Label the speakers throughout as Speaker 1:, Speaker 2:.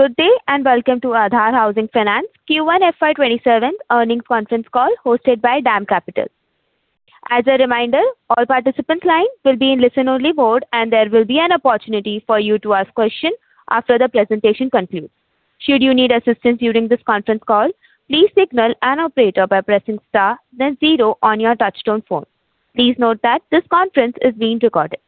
Speaker 1: Good day. Welcome to Aadhar Housing Finance Q1 FY 2027 earnings conference call hosted by DAM Capital. As a reminder, all participants' lines will be in listen-only mode. There will be an opportunity for you to ask questions after the presentation concludes. Should you need assistance during this conference call, please signal an operator by pressing star then zero on your touch-tone phone. Please note that this conference is being recorded.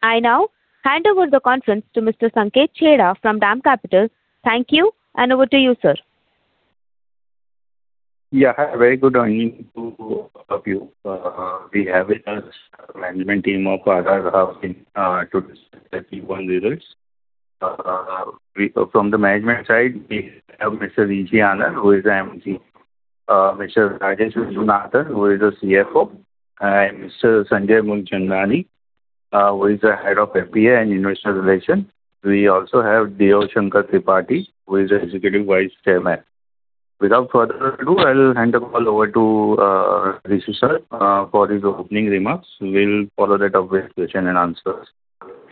Speaker 1: I now hand over the conference to Mr. Sanket Chheda from DAM Capital. Thank you. Over to you, sir.
Speaker 2: Very good evening to all of you. We have with us management team of Aadhar Housing to discuss their Q1 results. From the management side, we have Mr. Rishi Anand, who is our MD. Mr. Rajesh Viswanathan, who is our CFO. Mr. Sanjay Moolchandani, who is the Head of FPA and Investor Relations. We also have Deo Shankar Tripathi, who is the Executive Vice Chairman. Without further ado, I will hand the call over to Rishi sir for his opening remarks. We will follow that up with question-and-answers.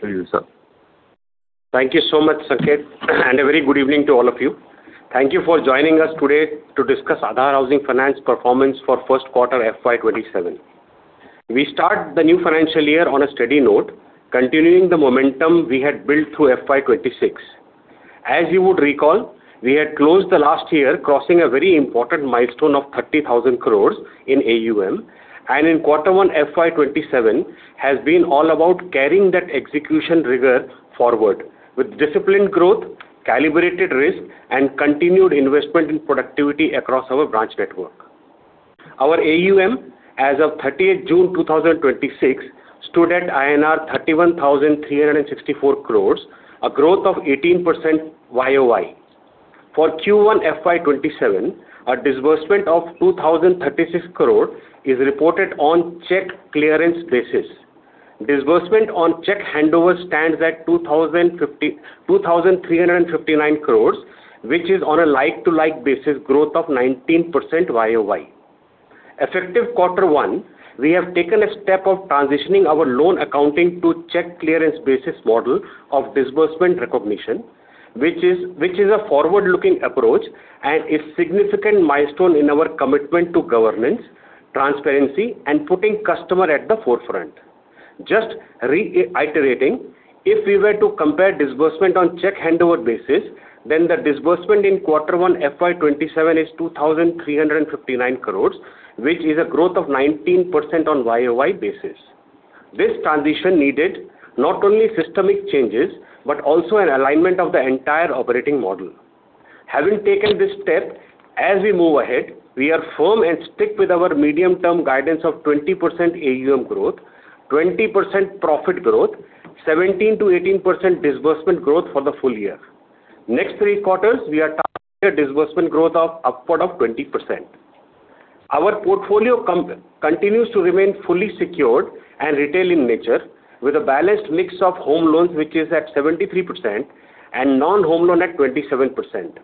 Speaker 2: To you, sir.
Speaker 3: Thank you so much, Sanket. A very good evening to all of you. Thank you for joining us today to discuss Aadhar Housing Finance performance for first quarter FY 2027. We start the new financial year on a steady note, continuing the momentum we had built through FY 2026. As you would recall, we had closed the last year crossing a very important milestone of 30,000 crore in AUM. In quarter one FY 2027 has been all about carrying that execution rigor forward with disciplined growth, calibrated risk, and continued investment in productivity across our branch network. Our AUM as of 30th June 2026 stood at INR 31,364 crore, a growth of 18% YOY. For Q1 FY 2027, our disbursement of 2,036 crore is reported on check clearance basis. Disbursement on check handover stands at 2,359 crore, which is on a like-to-like basis growth of 19% YOY. Effective quarter one, we have taken a step of transitioning our loan accounting to check clearance basis model of disbursement recognition, which is a forward-looking approach. A significant milestone in our commitment to governance, transparency, and putting customer at the forefront. Just reiterating, if we were to compare disbursement on check handover basis, then the disbursement in quarter one FY 2027 is 2,359 crore, which is a growth of 19% on YOY basis. This transition needed not only systemic changes but also an alignment of the entire operating model. Having taken this step, as we move ahead, we are firm and strict with our medium-term guidance of 20% AUM growth, 20% profit growth, 17%-18% disbursement growth for the full-year. Next three quarters, we are targeting a disbursement growth of upward of 20%. Our portfolio continues to remain fully secured and retail in nature, with a balanced mix of home loans, which is at 73%, and non-home loan at 27%.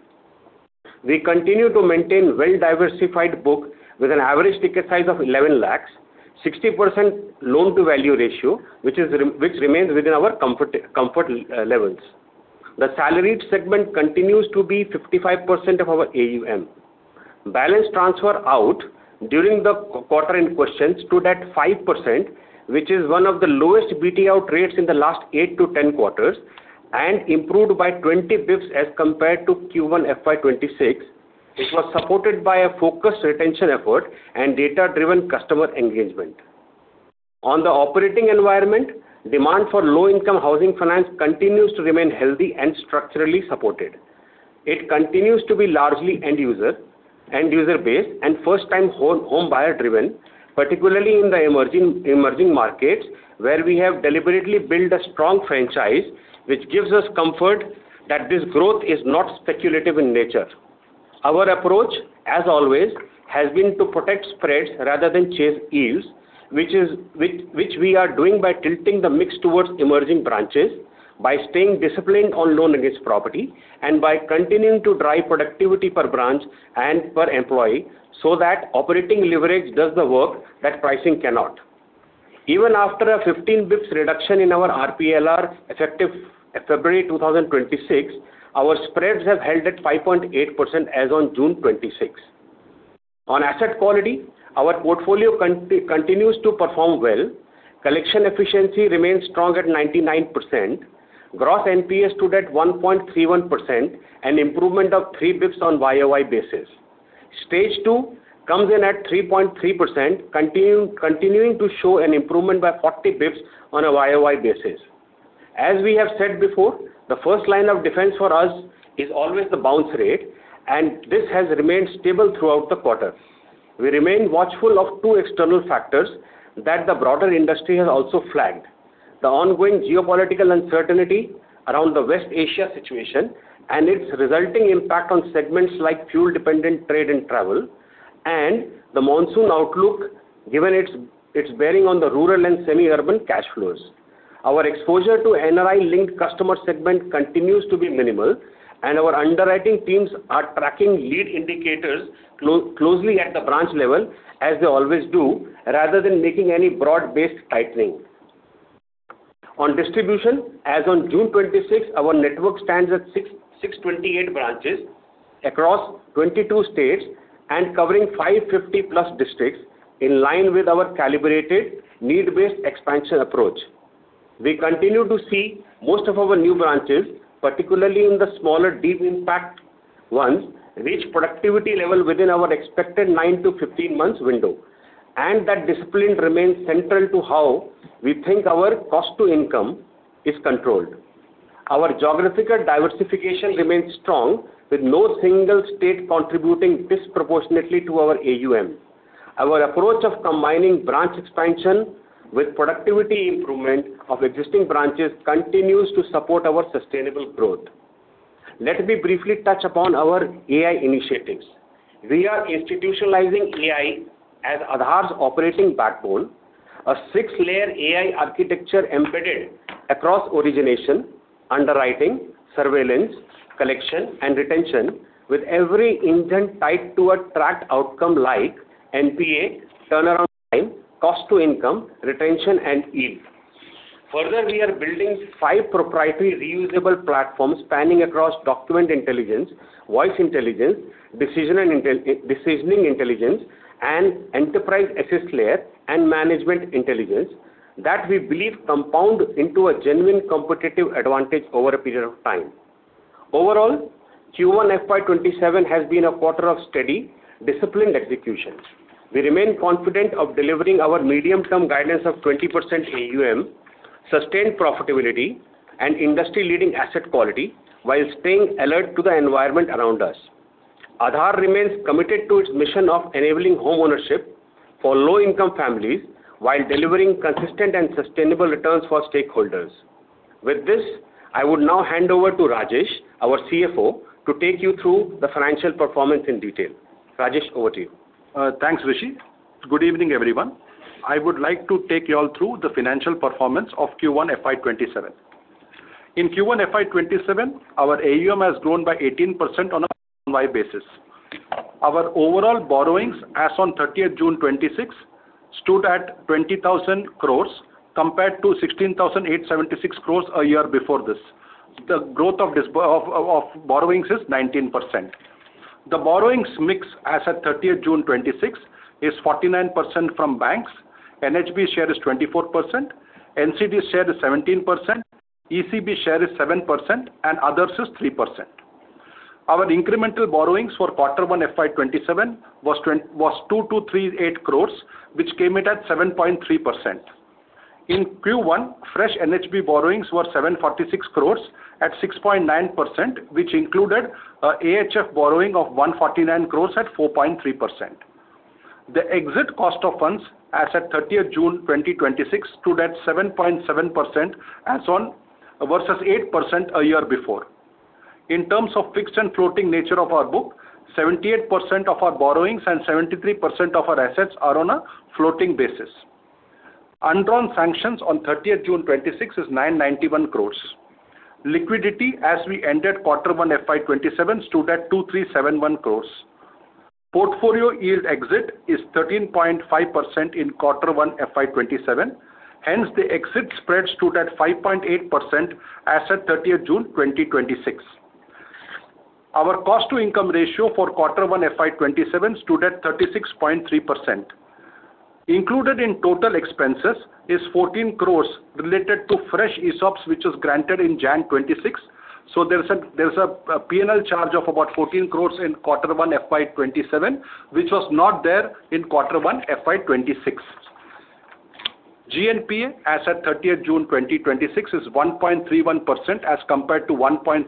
Speaker 3: We continue to maintain well-diversified book with an average ticket size of 11 lakhs, 60% loan-to-value ratio, which remains within our comfort levels. The salaried segment continues to be 55% of our AUM. Balance transfer out during the quarter in question stood at 5%, which is one of the lowest BTO rates in the last 8-10 quarters and improved by 20 basis points as compared to Q1 FY 2026, which was supported by a focused retention effort and data-driven customer engagement. On the operating environment, demand for low-income housing finance continues to remain healthy and structurally supported. It continues to be largely end user based and first-time home buyer driven, particularly in the emerging markets, where we have deliberately built a strong franchise, which gives us comfort that this growth is not speculative in nature. Our approach, as always, has been to protect spreads rather than chase yields, which we are doing by tilting the mix towards emerging branches, by staying disciplined on loan against property, and by continuing to drive productivity per branch and per employee so that operating leverage does the work that pricing cannot. Even after a 15 basis points reduction in our RPLR effective February 2026, our spreads have held at 5.8% as on June 26. On asset quality, our portfolio continues to perform well. Collection efficiency remains strong at 99%. Gross NPAs stood at 1.31%, an improvement of 3 basis points on year-over-year basis. Stage two comes in at 3.3%, continuing to show an improvement by 40 basis points on a year-over-year basis. As we have said before, the first line of defense for us is always the bounce rate, and this has remained stable throughout the quarter. We remain watchful of two external factors that the broader industry has also flagged. The ongoing geopolitical uncertainty around the West Asia situation and its resulting impact on segments like fuel-dependent trade and travel, and the monsoon outlook, given its bearing on the rural and semi-urban cash flows. Our exposure to NRI-linked customer segment continues to be minimal, and our underwriting teams are tracking lead indicators closely at the branch level, as they always do, rather than making any broad-based tightening. On distribution, as on June 26, our network stands at 628 branches across 22 states and covering 550+ districts, in line with our calibrated need-based expansion approach. We continue to see most of our new branches, particularly in the smaller deep impact ones, reach productivity level within our expected 9-15 months window, and that discipline remains central to how we think our cost to income is controlled. Our geographical diversification remains strong, with no single state contributing disproportionately to our AUM. Our approach of combining branch expansion with productivity improvement of existing branches continues to support our sustainable growth. Let me briefly touch upon our AI initiatives. We are institutionalizing AI as Aadhar's operating backbone, a six-layer AI architecture embedded across origination, underwriting, surveillance, collection, and retention with every intent tied to a tracked outcome like NPA, turnaround time, cost to income, retention, and yield. We are building five proprietary reusable platforms spanning across document intelligence, voice intelligence, decisioning intelligence, and enterprise access layer, and management intelligence that we believe compound into a genuine competitive advantage over a period of time. Overall, Q1 FY 2027 has been a quarter of steady, disciplined execution. We remain confident of delivering our medium-term guidance of 20% AUM, sustained profitability, and industry-leading asset quality while staying alert to the environment around us. Aadhar remains committed to its mission of enabling homeownership for low-income families while delivering consistent and sustainable returns for stakeholders. With this, I would now hand over to Rajesh, our CFO, to take you through the financial performance in detail. Rajesh, over to you.
Speaker 4: Thanks, Rishi. Good evening, everyone. I would like to take you all through the financial performance of Q1 FY 2027. In Q1 FY 2027, our AUM has grown by 18% on a YOY basis. Our overall borrowings as on 30th June 2026, stood at 20,000 crores compared to 16,876 crores a year before this. The growth of borrowings is 19%. The borrowings mix as at 30th June 2026 is 49% from banks, NHB share is 24%, NCD share is 17%, ECB share is 7%, and others is 3%. Our incremental borrowings for quarter one FY 2027 was 2,238 crores, which came in at 7.3%. In Q1, fresh NHB borrowings were 746 crores at 6.9%, which included an AHF borrowing of 149 crores at 4.3%. The exit cost of funds as at 30th June 2026 stood at 7.7% versus 8% a year before. In terms of fixed and floating nature of our book, 78% of our borrowings and 73% of our assets are on a floating basis. Undrawn sanctions on 30th June 2026 is 991 crores. Liquidity as we entered quarter one FY 2027 stood at 2,371 crores. Portfolio yield exit is 13.5% in quarter one FY 2027, hence the exit spread stood at 5.8% as at 30th June 2026. Our cost-to-income ratio for quarter one FY 2027 stood at 36.3%. Included in total expenses is 14 crores related to fresh ESOPs, which was granted in January 2026. There's a P&L charge of about 14 crores in quarter one FY 2027, which was not there in quarter one FY 2026. GNPA as at 30th June 2026 is 1.31%, as compared to 1.34%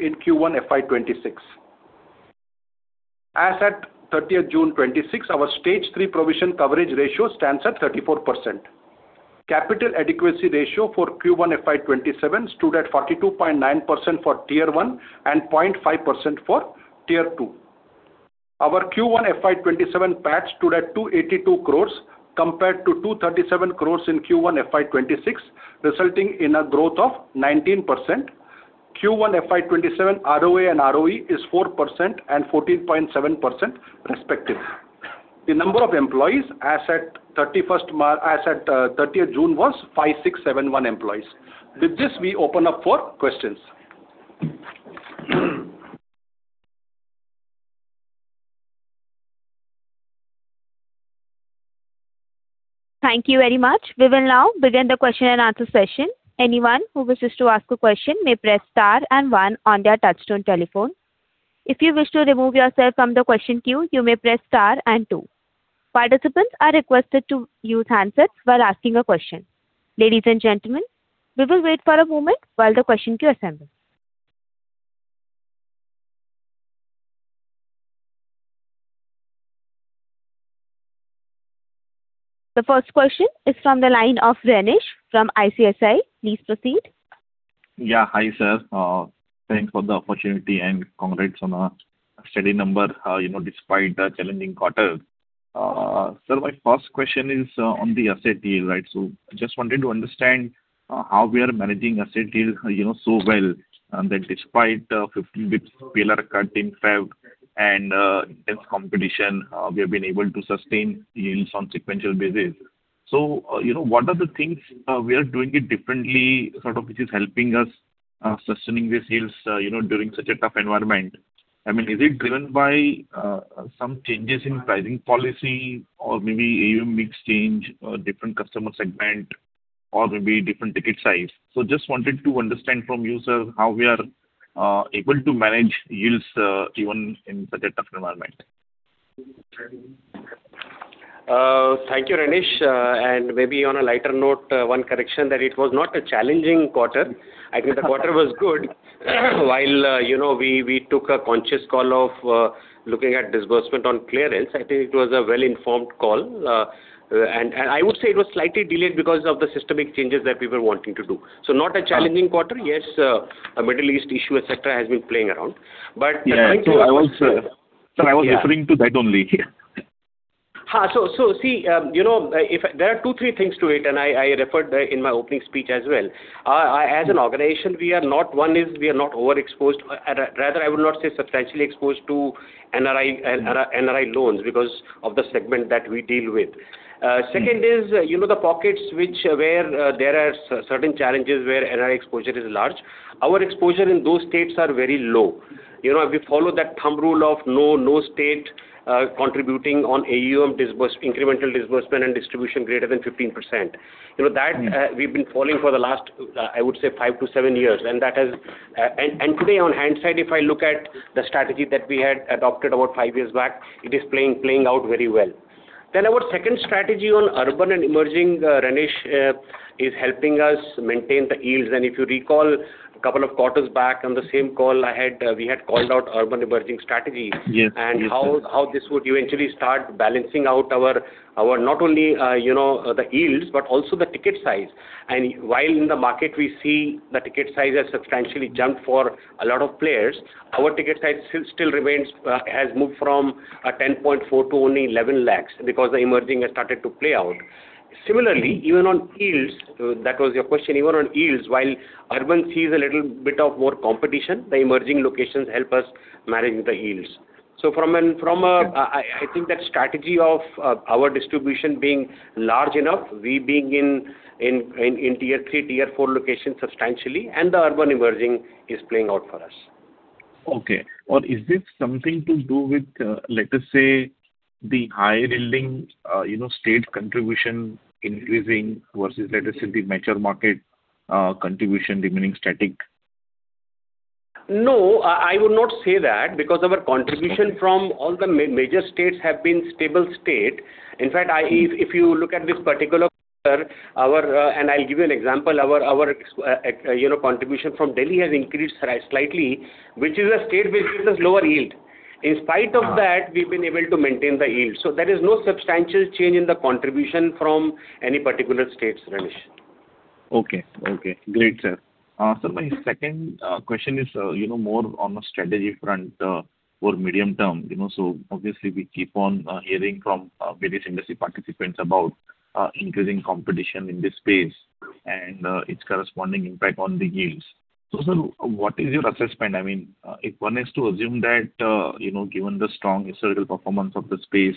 Speaker 4: in Q1 FY 2026. As at 30th June 2026, our stage 3 provision coverage ratio stands at 34%. Capital adequacy ratio for Q1 FY 2027 stood at 42.9% for Tier 1 and 0.5% for Tier 2. Our Q1 FY 2027 PAT stood at 282 crores compared to 237 crores in Q1 FY 2026, resulting in a growth of 19%. Q1 FY 2027 ROA and ROE is 4% and 14.7% respective. The number of employees as at 30th June was 5,671 employees. With this, we open up for questions.
Speaker 1: Thank you very much. We will now begin the question-and-answer session. Anyone who wishes to ask a question may press star and one on their touchtone telephone. If you wish to remove yourself from the question queue, you may press star and two. Participants are requested to use handsets while asking a question. Ladies and gentlemen, we will wait for a moment while the question queue assembles. The first question is from the line of Renish from ICICI Securities. Please proceed.
Speaker 5: Hi, sir. Thanks for the opportunity, and congrats on a steady number despite the challenging quarter. Sir, my first question is on the asset yield. I just wanted to understand how we are managing asset yield so well, and that despite a 15 basis point cut impact intense competition, we have been able to sustain yields on sequential basis. What are the things we are doing it differently sort of which is helping us sustaining these yields during such a tough environment? Is it driven by some changes in pricing policy or maybe AUM mix change or different customer segment or maybe different ticket size? Just wanted to understand from you, sir, how we are able to manage yields even in such a tough environment.
Speaker 3: Thank you, Renish. Maybe on a lighter note, one correction, that it was not a challenging quarter. I think the quarter was good. While we took a conscious call of looking at disbursement on clearance, I think it was a well-informed call. I would say it was slightly delayed because of the systemic changes that we were wanting to do. Not a challenging quarter. Yes, a Middle East issue, et cetera, has been playing around.
Speaker 5: Sir, I was referring to that only.
Speaker 3: See, there are two, three things to it, and I referred in my opening speech as well. As an organization, one is we are not overexposed, rather I would not say substantially exposed to NRI loans because of the segment that we deal with. Second is, the pockets where there are certain challenges where NRI exposure is large, our exposure in those states are very low. We follow that thumb rule of no state contributing on AUM incremental disbursement and distribution greater than 15%. That we've been following for the last, I would say five to seven years. Today on hindsight, if I look at the strategy that we had adopted about five years back, it is playing out very well. Our second strategy on urban and emerging, Renish, is helping us maintain the yields and if you recall a couple of quarters back on the same call we had called out urban emerging strategies.
Speaker 5: Yes. Yes, sir.
Speaker 3: How this would eventually start balancing out our, not only the yields, but also the ticket size. While in the market we see the ticket size has substantially jumped for a lot of players, our ticket size has moved from 10.4 lakhs to only 11 lakhs because the emerging has started to play out. Similarly, even on yields, that was your question. Even on yields, while urban sees a little bit of more competition, the emerging locations help us manage the yields. I think that strategy of our distribution being large enough, we being in Tier 3, Tier 4 locations substantially, and the urban emerging is playing out for us.
Speaker 5: Okay. Is this something to do with, let us say, the high-yielding state contribution increasing versus, let us say, the mature market contribution remaining static?
Speaker 3: I would not say that because our contribution from all the major states have been stable state. If you look at this particular quarter, and I'll give you an example, our contribution from Delhi has increased slightly, which is a state which gives us lower yield. In spite of that, we've been able to maintain the yield. There is no substantial change in the contribution from any particular states, Renish.
Speaker 5: Okay. Great, sir. Sir, my second question is more on a strategy front for medium term. Obviously we keep on hearing from various industry participants about increasing competition in this space and its corresponding impact on the yields. Sir, what is your assessment? If one is to assume that, given the strong historical performance of the space,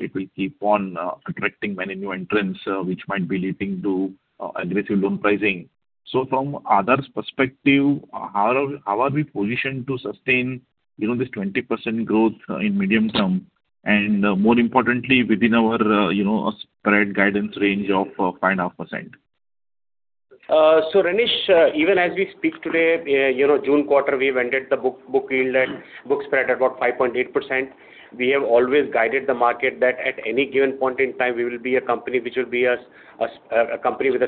Speaker 5: it will keep on attracting many new entrants, which might be leading to aggressive loan pricing. From Aadhar's perspective, how are we positioned to sustain this 20% growth in medium term and, more importantly, within our spread guidance range of 5.5%?
Speaker 3: Renish, even as we speak today, June quarter, we've ended the book yield at, book spread at about 5.8%. We have always guided the market that at any given point in time we will be a company with a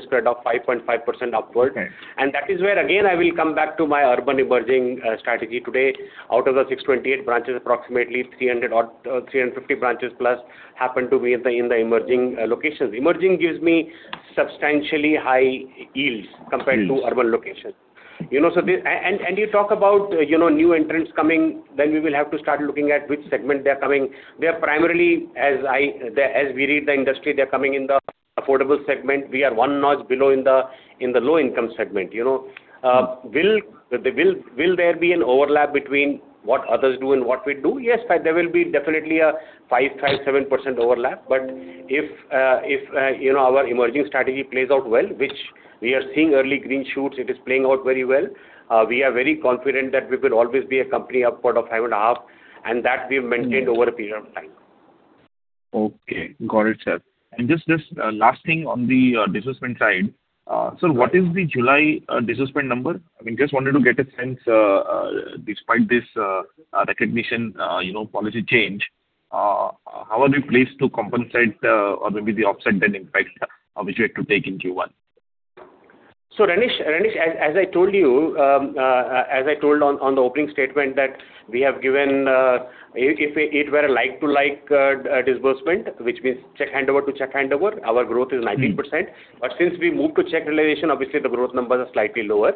Speaker 3: spread of 5.5% upward. That is where, again, I will come back to my urban emerging strategy today. Out of the 628 branches, approximately 350+ branches happen to be in the emerging locations. Emerging gives me substantially high yields compared to urban locations. You talk about new entrants coming, then we will have to start looking at which segment they're coming. They're primarily, as we read the industry, they're coming in the affordable segment. We are one notch below in the low-income segment. Will there be an overlap between what others do and what we do? Yes, there will be definitely a 5%, 5.7% overlap. If our emerging strategy plays out well, which we are seeing early green shoots, it is playing out very well, we are very confident that we will always be a company upward of 5.5%, and that we've maintained over a period of time.
Speaker 5: Okay. Got it, sir. Just last thing on the disbursement side. Sir, what is the July disbursement number? Just wanted to get a sense, despite this recognition policy change, how are we placed to compensate or maybe the offset then impact which you had to take in Q1?
Speaker 4: Renish, as I told on the opening statement that we have given, if it were a like-to-like disbursement, which means check handover to check handover, our growth is 19%. Since we moved to check realization, obviously the growth numbers are slightly lower.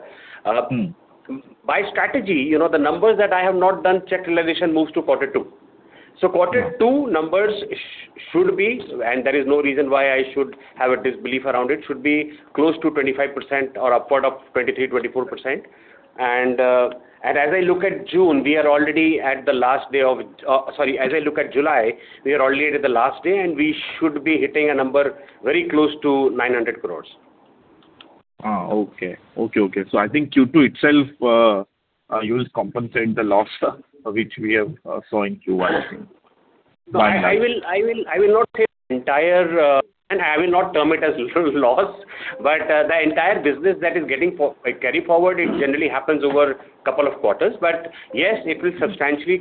Speaker 4: By strategy, the numbers that I have not done check realization moves to quarter two. Quarter two numbers should be, and there is no reason why I should have a disbelief around it, should be close to 25% or upward of 23%, 24%. As I look at July, we are already at the last day, and we should be hitting a number very close to 900 crore.
Speaker 5: Okay. I think Q2 itself, you will compensate the loss which we have saw in Q1, I think.
Speaker 4: I will not term it as loss, the entire business that is getting carry forward, it generally happens over a couple of quarters. Yes,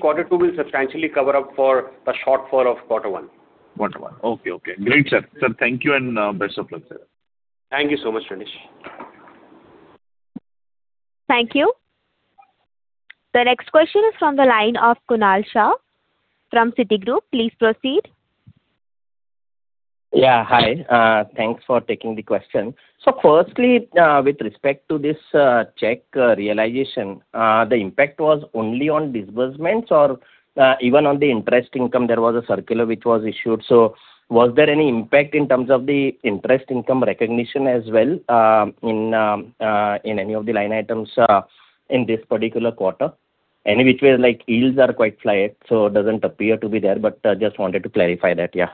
Speaker 4: quarter two will substantially cover up for a shortfall of quarter one.
Speaker 5: Quarter one. Okay. Great, sir. Sir, thank you, and best of luck, sir.
Speaker 3: Thank you so much, Renish.
Speaker 1: Thank you. The next question is from the line of Kunal Shah from Citigroup. Please proceed.
Speaker 6: Yeah. Hi. Thanks for taking the question. Firstly, with respect to this check realization, the impact was only on disbursements or even on the interest income there was a circular which was issued. Was there any impact in terms of the interest income recognition as well in any of the line items in this particular quarter? Any which way, yields are quite flat, it doesn't appear to be there, but just wanted to clarify that. Yeah.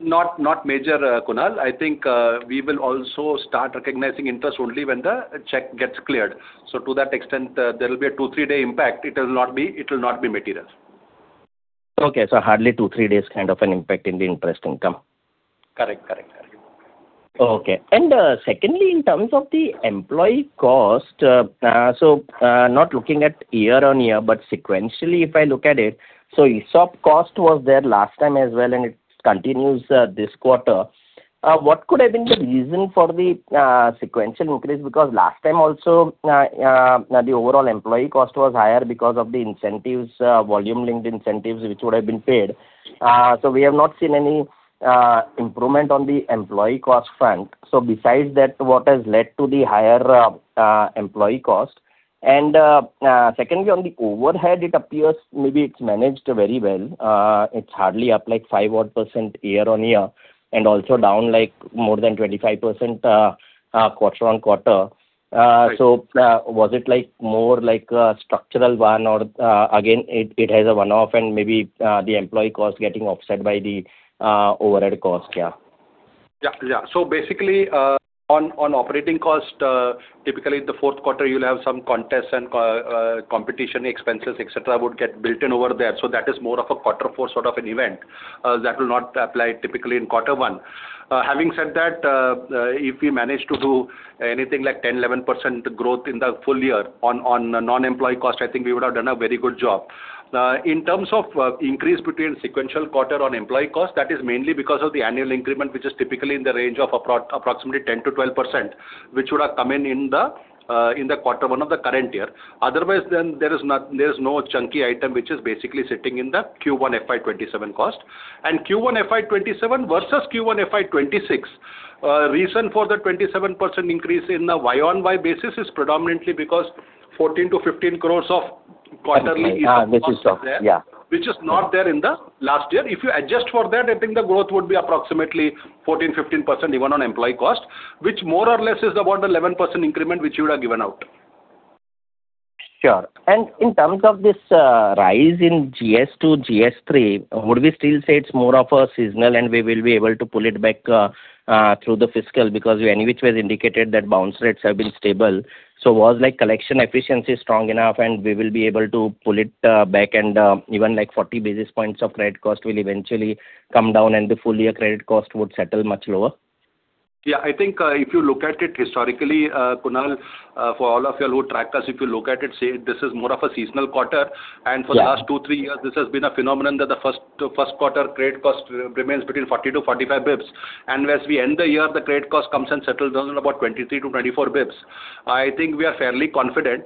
Speaker 3: Not major, Kunal. I think we will also start recognizing interest only when the check gets cleared. To that extent, there will be a two, three-day impact. It will not be material.
Speaker 6: Okay. Hardly two, three days kind of an impact in the interest income.
Speaker 3: Correct.
Speaker 6: Okay. Secondly, in terms of the employee cost, not looking at year-over-year, but sequentially, if I look at it, ESOP cost was there last time as well, and it continues this quarter. What could have been the reason for the sequential increase? Last time also, the overall employee cost was higher because of the volume-linked incentives which would have been paid. We have not seen any improvement on the employee cost front. Besides that, what has led to the higher employee cost? Secondly, on the overhead, it appears maybe it's managed very well. It's hardly up 5%-odd year-over-year and also down more than 25% quarter-over-quarter. Was it more like a structural one or again, it has a one-off and maybe the employee cost getting offset by the overhead cost? Yeah.
Speaker 4: Basically, on operating cost, typically the fourth quarter, you'll have some contests and competition expenses, et cetera, would get built in over there. That is more of a quarter four sort of an event that will not apply typically in quarter one. Having said that, if we manage to do anything like 10%, 11% growth in the full-year on non-employee cost, I think we would have done a very good job. In terms of increase between sequential quarter on employee cost, that is mainly because of the annual increment, which is typically in the range of approximately 10%-12%, which would have come in in the quarter one of the current year. Otherwise, there's no chunky item which is basically sitting in the Q1 FY 2027 cost. Q1 FY 2027 versus Q1 FY 2026. Reason for the 27% increase in the year-over-year basis is predominantly because 14 crore to 15 crore of quarterly-
Speaker 6: Okay. Which is Yeah
Speaker 4: which is not there in the last year. If you adjust for that, I think the growth would be approximately 14%, 15% even on employee cost, which more or less is about 11% increment, which we would have given out.
Speaker 6: Sure. In terms of this rise in GS2, GS3, would we still say it's more of a seasonal, and we will be able to pull it back through the fiscal because any which way indicated that bounce rates have been stable. Was collection efficiency strong enough and we will be able to pull it back and even 40 basis points of credit cost will eventually come down and the full-year credit cost would settle much lower?
Speaker 3: I think if you look at it historically, Kunal, for all of you who track us, if you look at it, this is more of a seasonal quarter. For the last two, three years, this has been a phenomenon that the first quarter credit cost remains between 40-45 basis points. As we end the year, the credit cost comes and settles down at about 23-24 basis points. I think we are fairly confident.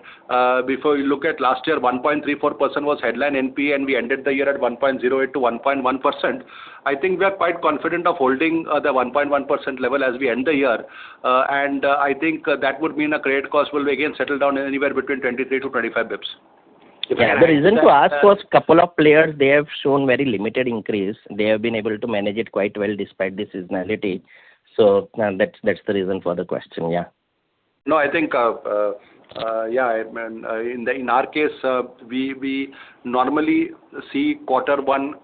Speaker 3: Before you look at last year, 1.34% was headline NPE and we ended the year at 1.08%-1.1%. I think we are quite confident of holding the 1.1% level as we end the year. I think that would mean the credit cost will again settle down anywhere between 23-25 basis points.
Speaker 6: The reason to ask was couple of players, they have shown very limited increase. They have been able to manage it quite well despite the seasonality. That's the reason for the question.
Speaker 4: No, I think, in our case, we normally see quarter one,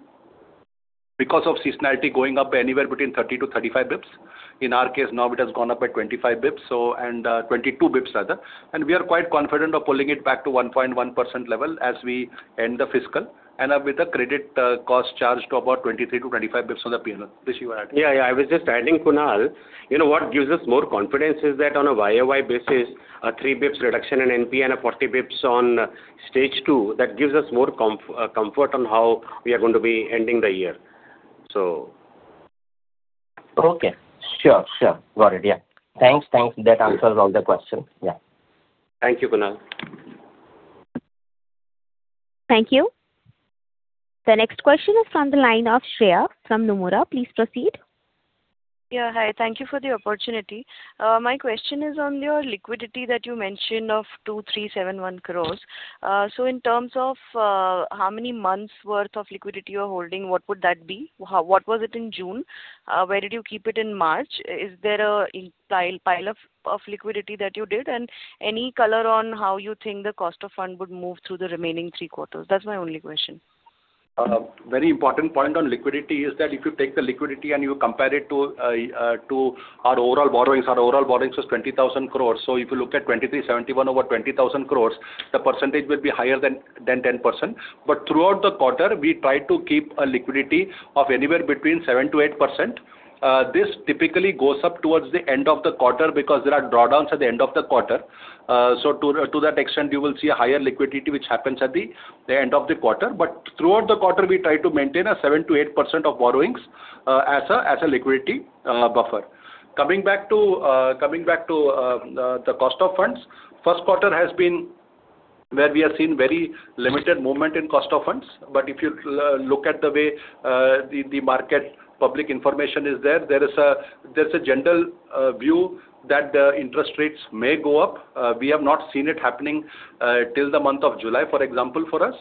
Speaker 4: because of seasonality, going up anywhere between 30 basis points-35 basis points. In our case now, it has gone up by 25 basis points, and 22 basis points rather. We are quite confident of pulling it back to 1.1% level as we end the fiscal, and with the credit cost charged to about 23 basis points-25 basis points on the P&L. Deo, you want to add?
Speaker 7: Yeah, I was just adding, Kunal. You know what gives us more confidence is that on a year-over-year basis, a 3 basis points reduction in NPE and a 40 basis points on stage two, that gives us more comfort on how we are going to be ending the year.
Speaker 6: Okay. Sure. Got it. Yeah. Thanks. That answers all the questions. Yeah.
Speaker 4: Thank you, Kunal.
Speaker 1: Thank you. The next question is from the line of Shreya from Nomura. Please proceed.
Speaker 8: Yeah. Hi. Thank you for the opportunity. My question is on your liquidity that you mentioned of 2,371 crore. In terms of how many months' worth of liquidity you are holding, what would that be? What was it in June? Where did you keep it in March? Is there a pile of liquidity that you did? Any color on how you think the cost of fund would move through the remaining three quarters? That's my only question.
Speaker 4: Very important point on liquidity is that if you take the liquidity and you compare it to our overall borrowings, our overall borrowings was 20,000 crore. If you look at 2,371 over 20,000 crore, the percentage will be higher than 10%. Throughout the quarter, we try to keep a liquidity of anywhere between 7%-8%. This typically goes up towards the end of the quarter because there are drawdowns at the end of the quarter. To that extent, you will see a higher liquidity which happens at the end of the quarter. Throughout the quarter, we try to maintain a 7%-8% of borrowings as a liquidity buffer. Coming back to the cost of funds, first quarter has been where we have seen very limited movement in cost of funds. If you look at the way the market public information is there. There's a general view that the interest rates may go up. We have not seen it happening till the month of July, for example, for us.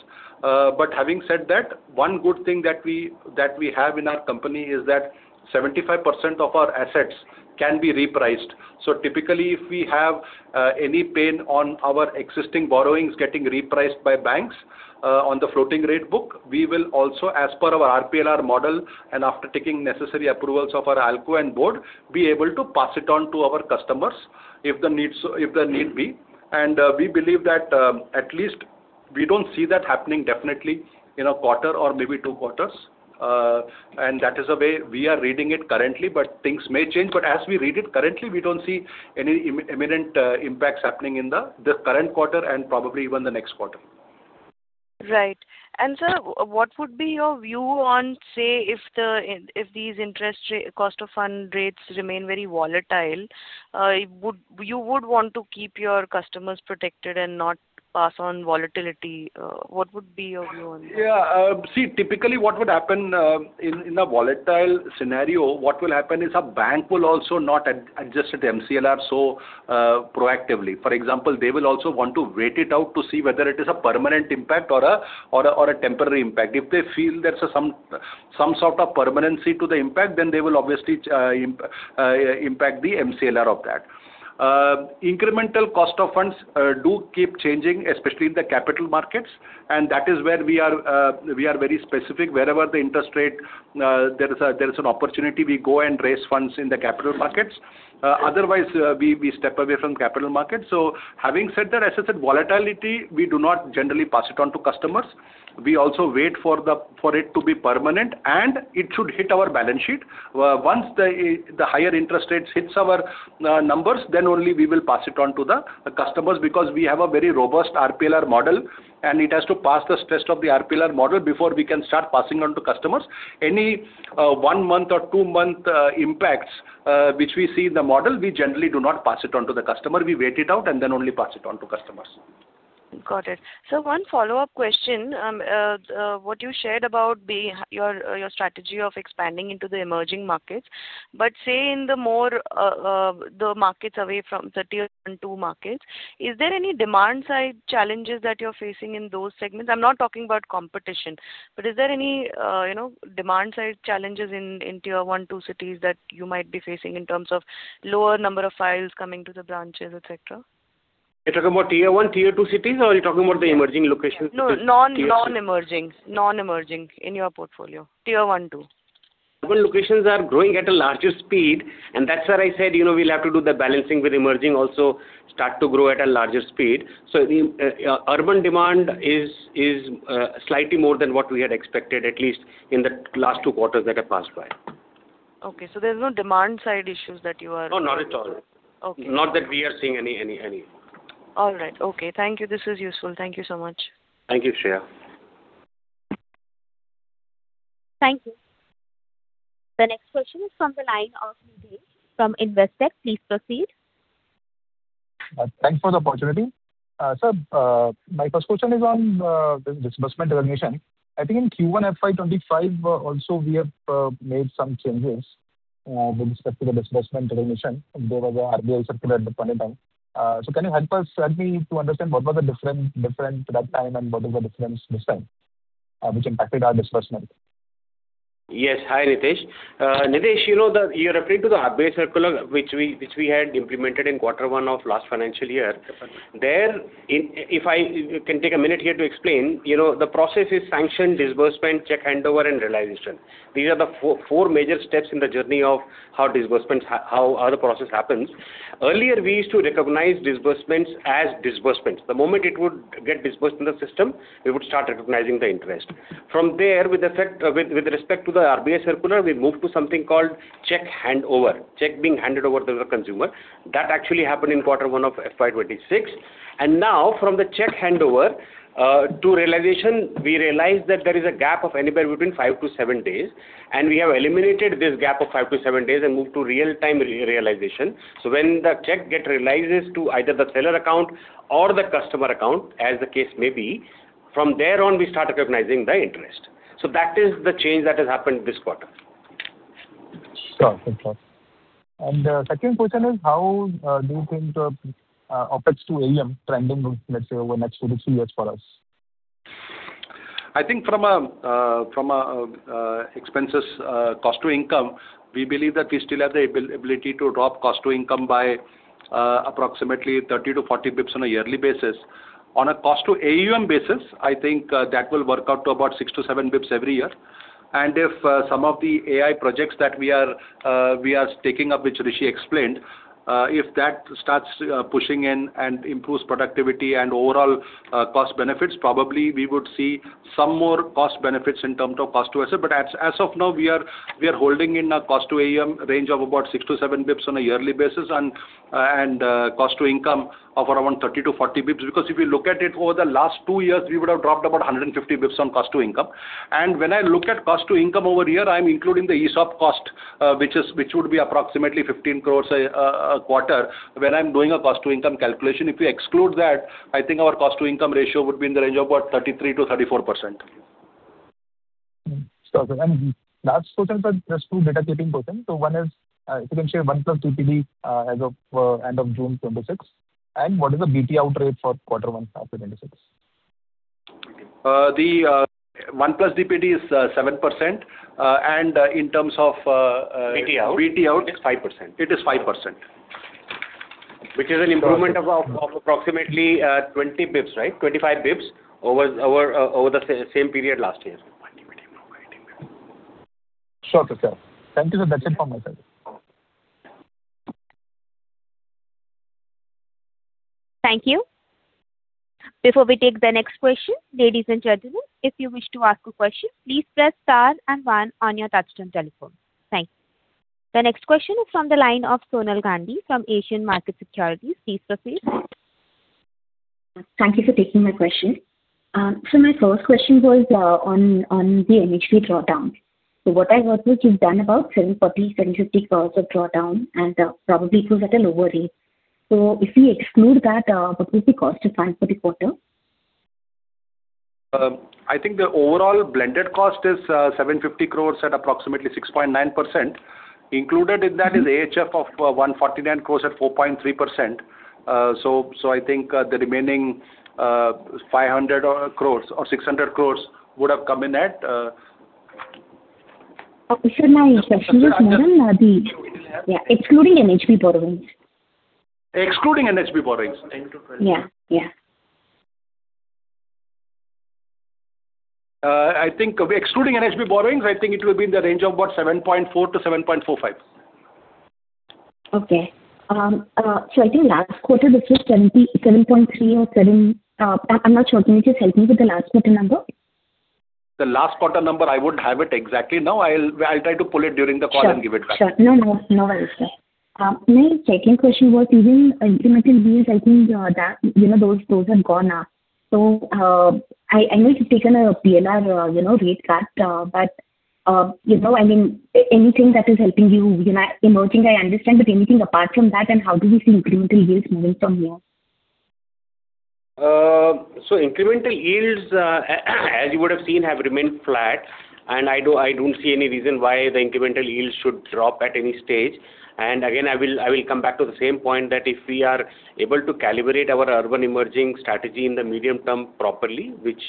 Speaker 4: Having said that, one good thing that we have in our company is that 75% of our assets can be repriced. Typically, if we have any pain on our existing borrowings getting repriced by banks on the floating rate book, we will also, as per our RPLR model and after taking necessary approvals of our ALCO and board, be able to pass it on to our customers if the need be. We believe that at least we don't see that happening definitely in a quarter or maybe two quarters. That is the way we are reading it currently, but things may change. As we read it currently, we don't see any imminent impacts happening in the current quarter and probably even the next quarter.
Speaker 8: Right. Sir, what would be your view on, say, if these interest cost of fund rates remain very volatile, you would want to keep your customers protected and not pass on volatility. What would be your view on that?
Speaker 3: See, typically what would happen in a volatile scenario, what will happen is a bank will also not adjust its MCLR so proactively. For example, they will also want to wait it out to see whether it is a permanent impact or a temporary impact. If they feel there's some sort of permanency to the impact, then they will obviously impact the MCLR of that. Incremental cost of funds do keep changing, especially in the capital markets, and that is where we are very specific. Wherever the interest rate there is an opportunity, we go and raise funds in the capital markets. Otherwise, we step away from capital markets. Having said that, as I said, volatility, we do not generally pass it on to customers. We also wait for it to be permanent, and it should hit our balance sheet. Once the higher interest rates hits our numbers, then only we will pass it on to the customers because we have a very robust RPLR model and it has to pass the stress of the RPLR model before we can start passing on to customers. Any one month or two month impacts, which we see in the model, we generally do not pass it on to the customer. We wait it out and then only pass it on to customers.
Speaker 8: Got it. Sir, one follow-up question. What you shared about your strategy of expanding into the emerging markets, say in the markets away from the Tier 1, 2 markets, is there any demand-side challenges that you're facing in those segments? I'm not talking about competition, is there any demand-side challenges in Tier 1, 2 cities that you might be facing in terms of lower number of files coming to the branches, et cetera?
Speaker 3: You're talking about Tier 1, Tier 2 cities you're talking about the emerging locations?
Speaker 8: No, non-emerging in your portfolio. Tier 1, 2.
Speaker 3: Urban locations are growing at a larger speed, that's where I said we'll have to do the balancing with emerging also start to grow at a larger speed. Urban demand is slightly more than what we had expected, at least in the last two quarters that have passed by.
Speaker 8: Okay. There's no demand-side issues that you are?
Speaker 3: No, not at all.
Speaker 8: Okay.
Speaker 3: Not that we are seeing any.
Speaker 8: All right. Okay. Thank you. This is useful. Thank you so much.
Speaker 3: Thank you, Shreya.
Speaker 1: Thank you. The next question is from the line of Ritesh from Investec. Please proceed.
Speaker 9: Thanks for the opportunity. Sir, my first question is on disbursement recognition. I think in Q1 FY 2025 also we have made some changes with respect to the disbursement recognition. There was a RBI circular at that point in time. Can you help me to understand what was the difference that time and what was the difference this time, which impacted our disbursement?
Speaker 3: Yes. Hi, Ritesh. Ritesh, you are referring to the RBI circular which we had implemented in quarter one of last financial year.
Speaker 9: Yes, sir.
Speaker 3: There, if I can take a minute here to explain, the process is sanction, disbursement, check handover, and realization. These are the four major steps in the journey of how the process happens. Earlier, we used to recognize disbursements as disbursements. The moment it would get disbursed in the system, we would start recognizing the interest. From there, with respect to the RBI circular, we moved to something called check handover. Check being handed over to the consumer. That actually happened in quarter one of FY 2026. Now from the check handover to realization, we realized that there is a gap of anywhere between five to seven days, and we have eliminated this gap of five to seven days and moved to real time realization. When the check get realizes to either the seller account or the customer account, as the case may be. From there on, we start recognizing the interest. That is the change that has happened this quarter.
Speaker 9: Sure. Second question is, how do you think OpEx to AUM trending will, let's say, over the next two to three years for us?
Speaker 4: I think from an expenses cost to income, we believe that we still have the ability to drop cost to income by approximately 30 basis points-40 basis points on a yearly basis. On a cost to AUM basis, I think that will work out to about six to seven basis points every year. If some of the AI projects that we are taking up, which Rishi explained, if that starts pushing in and improves productivity and overall cost benefits, probably we would see some more cost benefits in terms of cost to asset. As of now, we are holding in a cost to AUM range of about six to seven basis points on a yearly basis and cost to income of 30 basis points-40 basis points. Because if you look at it over the last two years, we would have dropped about 150 basis points on cost to income. When I look at cost to income over here, I'm including the ESOP cost, which would be approximately 15 crore a quarter when I'm doing a cost-to-income calculation. If you exclude that, I think our cost-to-income ratio would be in the range of about 33%-34%.
Speaker 9: Sure. Last question, sir, just two data keeping questions. One is, if you can share H1 DPD as of end of June 2026. What is the BT out rate for quarter one of 2026?
Speaker 4: The H1 DPD is 7%.
Speaker 9: BT out.
Speaker 4: BT out.
Speaker 9: It's 5%.
Speaker 4: It is 5%, which is an improvement of approximately 20 basis points. Right? 25 basis points over the same period last year.
Speaker 9: Sure, sir. Thank you. That is it from my side.
Speaker 1: Thank you. Before we take the next question, ladies and gentlemen, if you wish to ask a question, please press star and one on your touch-tone telephone. Thank you. The next question is from the line of Sonal Gandhi from Asian Market Securities. Please proceed.
Speaker 10: Thank you for taking my question. My first question was on the NHB drawdown. What I heard was you have done about 740 crore, 750 crore of drawdown and probably it was at a lower rate. If we exclude that, what will be cost to finance for the quarter?
Speaker 4: I think the overall blended cost is 750 crore at approximately 6.9%, included in that is AHF of 149 crore at 4.3%. I think the remaining 500 crore or 600 crore would have come in at
Speaker 10: Sir, my question is even excluding NHB borrowings.
Speaker 4: Excluding NHB borrowings?
Speaker 10: Yeah.
Speaker 4: Excluding NHB borrowings, I think it will be in the range of about 7.4%-7.45%.
Speaker 10: Okay. I think last quarter this was 7.3% or 7%. I'm not sure. Can you just help me with the last quarter number?
Speaker 4: The last quarter number, I wouldn't have it exactly now. I'll try to pull it during the call and give it back.
Speaker 10: Sure. No worries, sir. My second question was even incremental yields, I think those are gone now. I know you've taken a PLR rate cut. Anything that is helping you? Emerging I understand, but anything apart from that, and how do you see incremental yields moving from here?
Speaker 3: Incremental yields, as you would have seen, have remained flat, and I don't see any reason why the incremental yields should drop at any stage. Again, I will come back to the same point, that if we are able to calibrate our urban emerging strategy in the medium term properly, which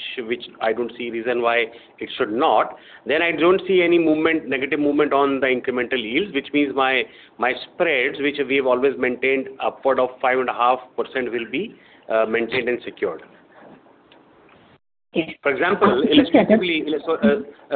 Speaker 3: I don't see reason why it should not, then I don't see any negative movement on the incremental yields, which means my spreads, which we've always maintained upward of 5.5% will be maintained and secured.
Speaker 10: Okay.
Speaker 4: For example-
Speaker 10: Just check that.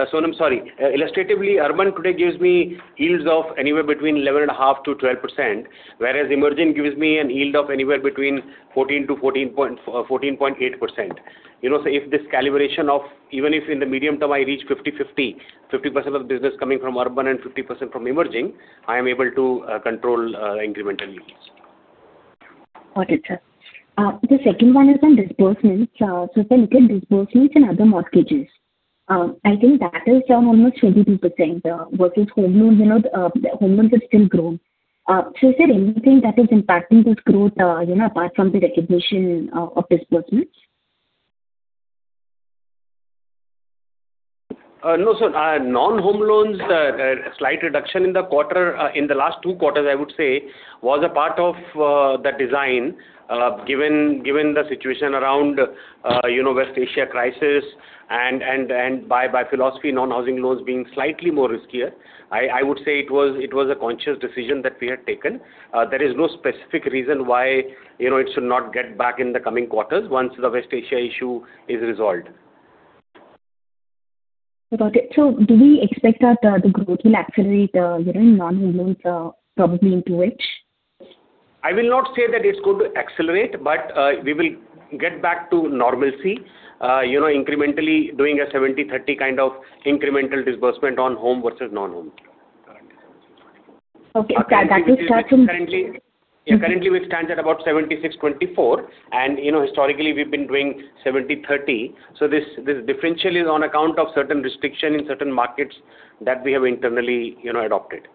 Speaker 4: Sonal, I'm sorry. Illustratively, urban today gives me yields of anywhere between 11.5%-12%, whereas emerging gives me an yield of anywhere between 14%-14.8%. If this calibration of even if in the medium term I reach 50% of business coming from urban and 50% from emerging, I am able to control the incremental yields.
Speaker 10: Got it, sir. The second one is on disbursements. Sir, look at disbursements and other mortgages. I think that is down almost 22% versus home loans. Home loans have still grown. Is there anything that is impacting this growth apart from the recognition of disbursements?
Speaker 3: No, Sonal. Non-home loans, slight reduction in the last two quarters, I would say, was a part of the design, given the situation around West Asia crisis and by philosophy, non-housing loans being slightly more riskier. I would say it was a conscious decision that we had taken. There is no specific reason why it should not get back in the coming quarters once the West Asia issue is resolved.
Speaker 10: Got it. Do we expect that the growth will accelerate in non-home loans, probably into which?
Speaker 3: I will not say that it's going to accelerate, we will get back to normalcy incrementally doing a 70/30 kind of incremental disbursement on home versus non-home.
Speaker 10: Okay. That is certain.
Speaker 3: Currently it stands at about 76/24, and historically we've been doing 70/30. This differential is on account of certain restriction in certain markets that we have internally adopted.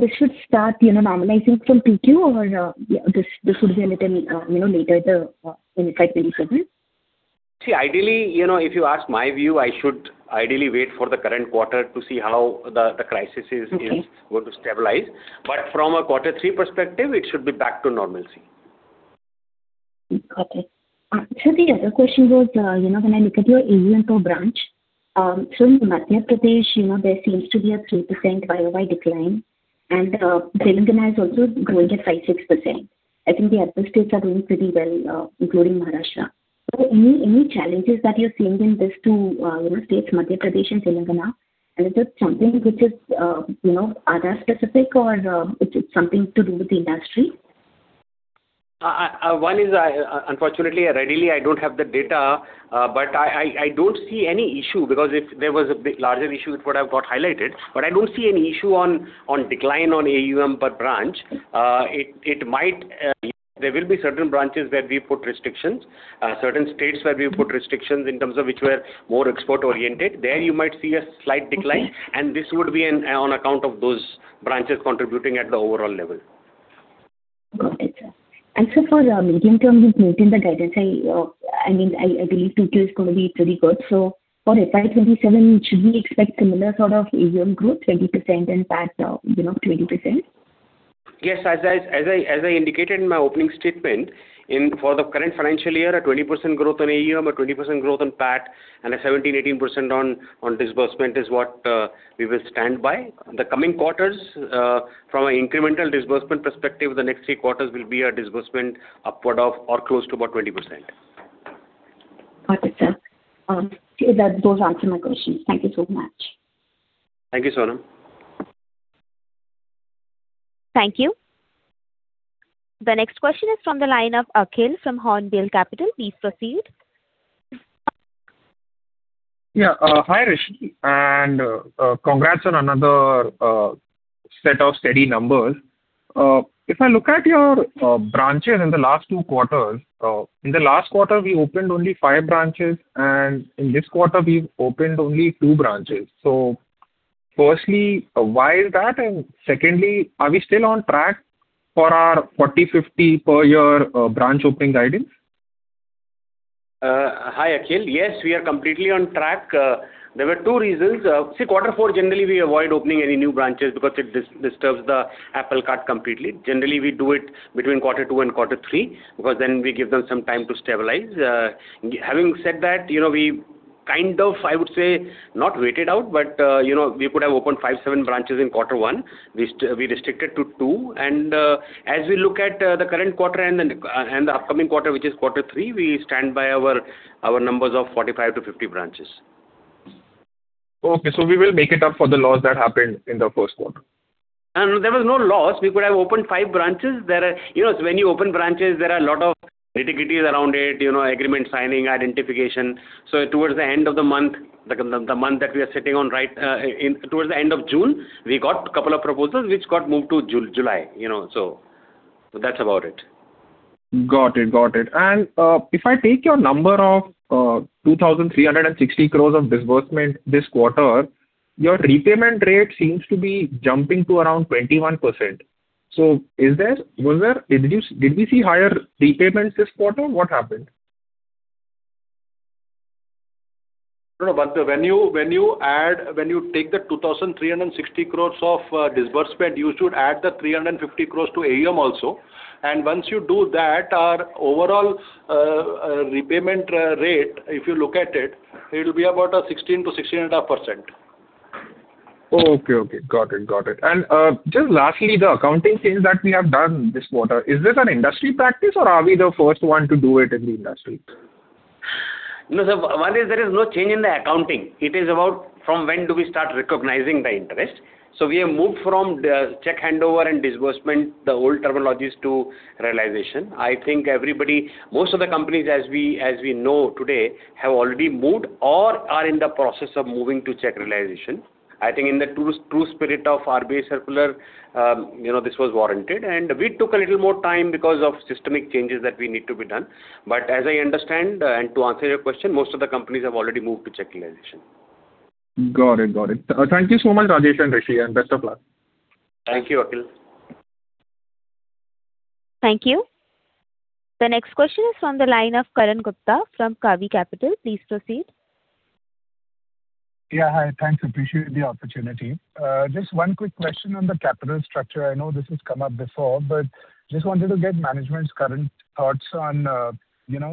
Speaker 10: This should start normalizing from 2Q or this would be a little later in FY 2027?
Speaker 3: Ideally, if you ask my view, I should ideally wait for the current quarter to see how the crisis is going to stabilize. From a quarter three perspective, it should be back to normalcy.
Speaker 10: Got it. Sir, the other question was, when I look at your AUM per branch, so in Madhya Pradesh, there seems to be a 3% YOY decline, and Telangana is also growing at 5%-6%. I think the other states are doing pretty well, including Maharashtra. Any challenges that you're seeing in these two states, Madhya Pradesh and Telangana, and is it something which is Aadhar specific or it is something to do with the industry?
Speaker 3: One is, unfortunately, readily I don't have the data. I don't see any issue because if there was a larger issue, it would have got highlighted. I don't see any issue on decline on AUM per branch. There will be certain branches where we put restrictions, certain states where we put restrictions in terms of which were more export-oriented. There you might see a slight decline. This would be on account of those branches contributing at the overall level.
Speaker 10: Got it, sir. For medium-term, you've maintained the guidance. I believe 2Q is going to be pretty good. For FY 2027, should we expect similar sort of AUM growth, 20% and PAT 20%?
Speaker 4: Yes, as I indicated in my opening statement, for the current financial year, a 20% growth on AUM, a 20% growth on PAT, and a 17%-18% on disbursement is what we will stand by. The coming quarters, from an incremental disbursement perspective, the next three quarters will be a disbursement upward of or close to about 20%.
Speaker 10: Got it, sir. Those answer my questions. Thank you so much.
Speaker 3: Thank you, Sonal.
Speaker 1: Thank you. The next question is from the line of Akhil from Hornbill Capital. Please proceed.
Speaker 11: Yeah. Hi, Rishi, and congrats on another set of steady numbers. If I look at your branches in the last two quarters, in the last quarter, we opened only five branches, and in this quarter, we've opened only two branches. Firstly, why is that? Secondly, are we still on track for our 40, 50 per year branch opening guidance?
Speaker 3: Hi, Akhil. Yes, we are completely on track. There were two reasons. Quarter four, generally, we avoid opening any new branches because it disturbs the apple cart completely. Generally, we do it between quarter two and quarter three because then we give them some time to stabilize. Having said that, we kind of, I would say, not waited out, but we could have opened five, seven branches in quarter one. We restricted to two. As we look at the current quarter and the upcoming quarter, which is quarter three, we stand by our numbers of 45-50 branches.
Speaker 11: Okay. We will make it up for the loss that happened in the first quarter.
Speaker 3: No, there was no loss. We could have opened five branches. When you open branches, there are a lot of nitty-gritties around it, agreement signing, identification. Towards the end of the month, the month that we are sitting on, towards the end of June, we got a couple of proposals which got moved to July. That's about it.
Speaker 11: Got it. If I take your number of 2,360 crore of disbursement this quarter, your repayment rate seems to be jumping to around 21%. Did we see higher repayments this quarter? What happened?
Speaker 4: No, when you take the 2,360 crore of disbursement, you should add the 350 crore to AUM also. Once you do that, our overall repayment rate, if you look at it'll be about 16%-16.5%.
Speaker 11: Okay. Got it. Just lastly, the accounting change that we have done this quarter, is this an industry practice or are we the first one to do it in the industry?
Speaker 3: No, sir. One is there is no change in the accounting. It is about from when do we start recognizing the interest. We have moved from the check handover and disbursement, the old terminologies, to realization. I think everybody, most of the companies, as we know today, have already moved or are in the process of moving to check realization. I think in the true spirit of RBI circular, this was warranted, and we took a little more time because of systemic changes that we need to be done. As I understand, and to answer your question, most of the companies have already moved to check realization.
Speaker 11: Got it. Thank you so much, Rajesh and Rishi, and best of luck.
Speaker 3: Thank you, Akhil.
Speaker 1: Thank you. The next question is on the line of Karan Gupta from CAVI Capital. Please proceed.
Speaker 12: Yeah. Hi. Thanks. Appreciate the opportunity. Just one quick question on the capital structure. I know this has come up before, but just wanted to get management's current thoughts on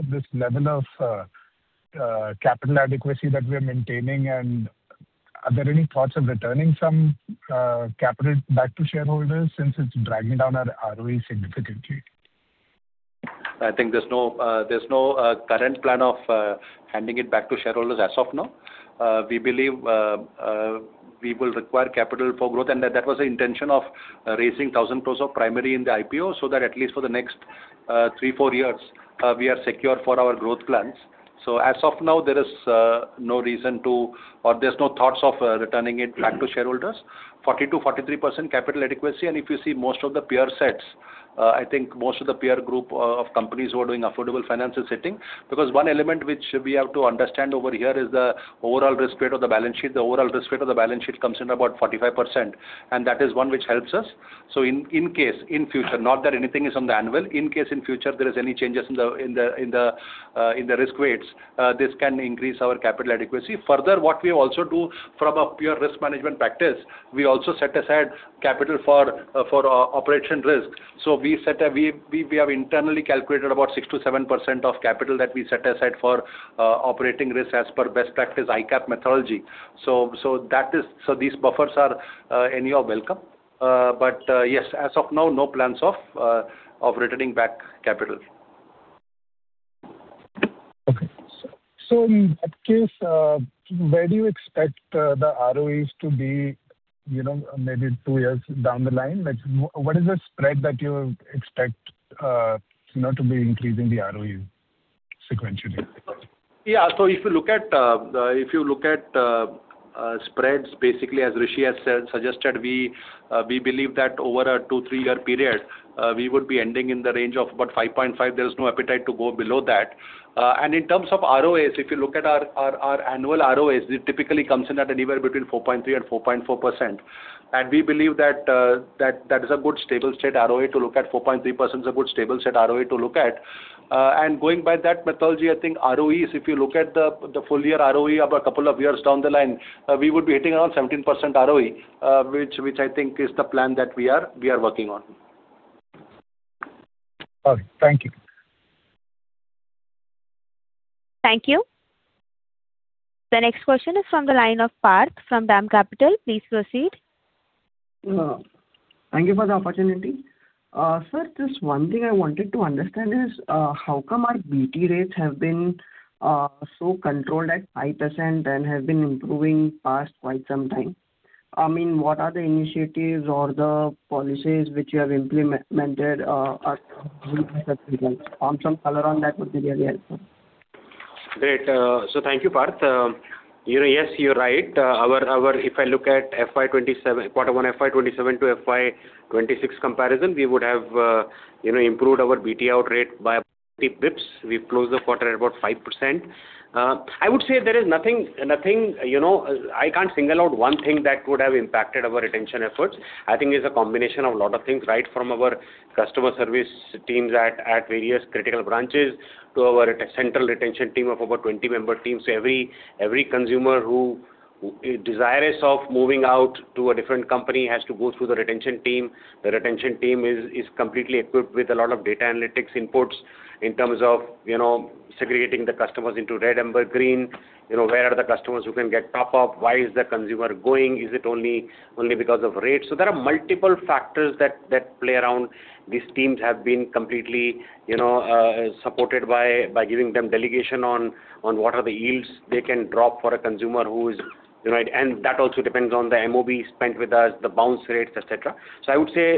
Speaker 12: this level of capital adequacy that we're maintaining, and are there any thoughts of returning some capital back to shareholders since it's dragging down our ROE significantly?
Speaker 3: I think there's no current plan of handing it back to shareholders as of now. We believe we will require capital for growth. That was the intention of raising 1,000 crores of primary in the IPO, so that at least for the next three, four years, we are secure for our growth plans. As of now, there is no reason to or there's no thoughts of returning it back to shareholders. 40%-43% capital adequacy, and if you see most of the peer sets, I think most of the peer group of companies who are doing affordable finance is sitting because one element which we have to understand over here is the overall risk rate of the balance sheet. The overall risk rate of the balance sheet comes in about 45%, and that is one which helps us. In case in future, not that anything is on the anvil, in case in future there is any changes in the risk rates, this can increase our capital adequacy. Further, what we also do from a pure risk management practice, we also set aside capital for operation risk. We have internally calculated about 6%-7% of capital that we set aside for operating risk as per best practice ICAAP methodology. These buffers are any welcome. Yes, as of now, no plans of returning back capital.
Speaker 12: Okay. In that case, where do you expect the ROEs to be maybe two years down the line? What is the spread that you expect to be increasing the ROE sequentially?
Speaker 4: Yeah. If you look at spreads, basically, as Rishi has suggested, we believe that over a two, three-year period, we would be ending in the range of about 5.5. There's no appetite to go below that. In terms of ROAs, if you look at our annual ROAs, it typically comes in at anywhere between 4.3% and 4.4%. We believe that is a good stable state ROE to look at. 4.3% is a good stable state ROE to look at. Going by that methodology, I think ROEs, if you look at the full-year ROE of a couple of years down the line, we would be hitting around 17% ROE, which I think is the plan that we are working on.
Speaker 12: Okay. Thank you.
Speaker 1: Thank you. The next question is from the line of Parth from DAM Capital. Please proceed.
Speaker 13: Thank you for the opportunity. Sir, just one thing I wanted to understand is, how come our BT rates have been so controlled at 5% and have been improving past quite some time? What are the initiatives or the policies which you have implemented some color on that would really help.
Speaker 3: Great. Thank you, Parth. Yes, you're right. If I look at quarter one FY 2027 to FY 2026 comparison, we would have improved our BT out rate by 50 basis points. We closed the quarter at about 5%. I would say there is nothing I can't single out one thing that would have impacted our retention efforts. I think it's a combination of a lot of things, right from our customer service teams at various critical branches to our central retention team of about 20-member team. Every consumer who is desirous of moving out to a different company has to go through the retention team. The retention team is completely equipped with a lot of data analytics inputs in terms of segregating the customers into red, amber, green. Where are the customers who can get top off? Why is the consumer going? Is it only because of rates? There are multiple factors that play around. These teams have been completely supported by giving them delegation on what are the yields they can drop for a consumer who is. That also depends on the MOB spent with us, the bounce rates, et cetera. I would say,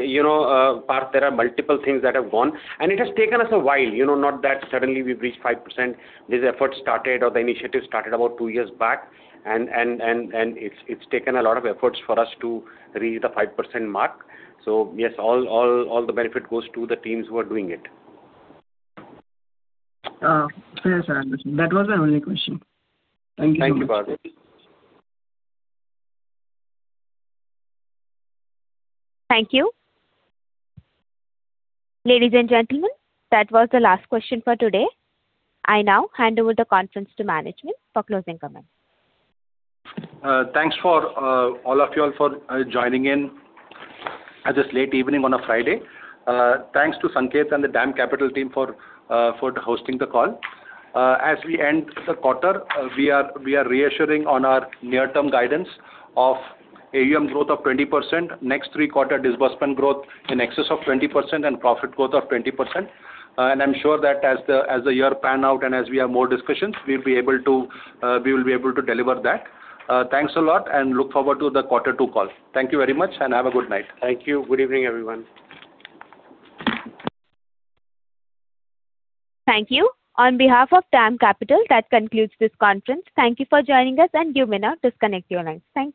Speaker 3: Parth, there are multiple things that have gone, and it has taken us a while. Not that suddenly we've reached 5%. These efforts started or the initiative started about two years back, and it's taken a lot of efforts for us to reach the 5% mark. Yes, all the benefit goes to the teams who are doing it.
Speaker 13: Yes, sir, understood. That was my only question. Thank you.
Speaker 4: Thank you, Parth.
Speaker 1: Thank you. Ladies and gentlemen, that was the last question for today. I now hand over the conference to management for closing comments.
Speaker 3: Thanks all of you all for joining in at this late evening on a Friday. Thanks to Sanket and the DAM Capital team for hosting the call. As we end the quarter, we are reassuring on our near-term guidance of AUM growth of 20%, next three quarter disbursement growth in excess of 20%, and profit growth of 20%. I'm sure that as the year pan out and as we have more discussions, we will be able to deliver that. Thanks a lot and look forward to the quarter two call. Thank you very much and have a good night.
Speaker 4: Thank you. Good evening, everyone.
Speaker 1: Thank you. On behalf of DAM Capital, that concludes this conference. Thank you for joining us, and you may now disconnect your lines. Thank you.